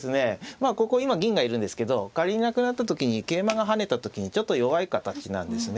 まあここ今銀がいるんですけど仮になくなった時に桂馬が跳ねた時にちょっと弱い形なんですね。